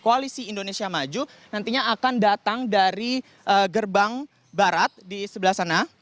koalisi indonesia maju nantinya akan datang dari gerbang barat di sebelah sana